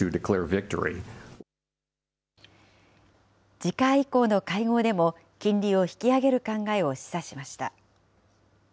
次回以降の会合でも、金利を引き上げる考えを示唆しました。